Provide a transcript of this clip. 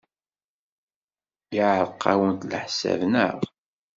Yeɛreq-awent leḥsab, naɣ?